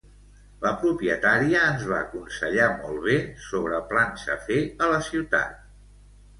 La propietària ens va aconsellar molt bé sobre plans a fer a la ciutat.